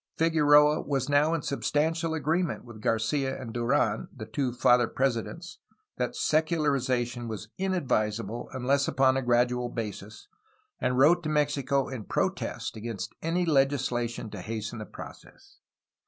Figueroa was now in substantial agreement with Garcia and Durdn, the two Father Presidents, that secularization was inadvisable, unless upon a gradual basis, and wrote to Mexico in protest against any legislation to hasten the process.